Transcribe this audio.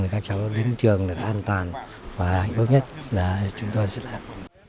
để các cháu đến trường được an toàn và hạnh phúc nhất là chúng tôi sẽ làm